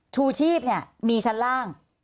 ชูชีพเนี่ยมีชั้นล่าง